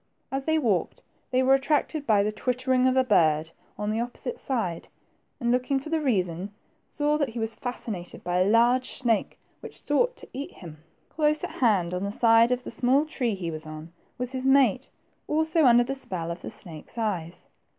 As they walked, they were attracted by the twittering of a bird on the opposite side, and, looking for the reason, saw that he was fascinated by a large snake which sought to eat him. Close at hand, on the other side of the small tree he was on, was his mate, also under the spell of a snake's eyes.